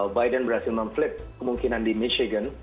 biden berhasil memflip kemungkinan di michigan